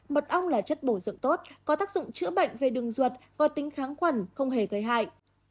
mật ong là chất bổ dưỡng tốt có tác dụng chữa bệnh về đường ruột có tính kháng khuẩn không hề gây hại